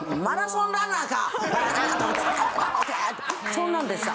そんなんでした。